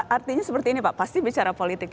artinya seperti ini pak pasti bicara politik